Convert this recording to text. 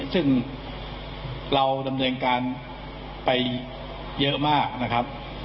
ซึ่งเราดำเนินการไปเยอะมากนะครับ